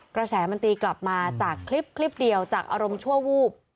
กระแสมันตีกลับมาจากคลิปคลิปเดียวจากอารมณ์ชั่ววูบ